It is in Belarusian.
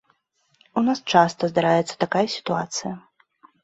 У нас часта здараецца такая сітуацыя.